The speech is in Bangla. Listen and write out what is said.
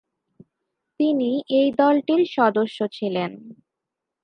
তিনি এই দলটির সদস্য ছিলেন।